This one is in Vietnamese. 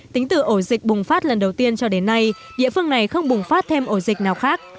tính từ ổ dịch bùng phát lần đầu tiên cho đến nay địa phương này không bùng phát thêm ổ dịch nào khác